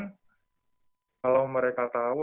bahkan kalau mereka tahu